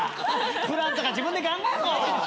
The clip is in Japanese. プランとか自分で考えろ！